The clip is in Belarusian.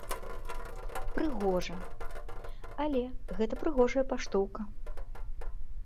Прыгожа, але гэта прыгожая паштоўка.